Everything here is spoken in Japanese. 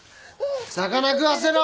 魚食わせろ！